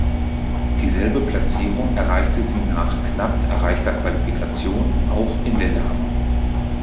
Dieselbe Platzierung erreichte sie nach knapp erreichter Qualifikation auch in Lillehammer.